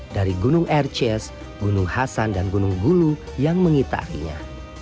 dari gunung erces gunung hasan dan gunung hulu yang mengitarinya